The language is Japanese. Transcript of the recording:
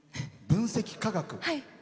分析化学？